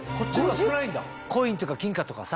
コインとか金貨とかさ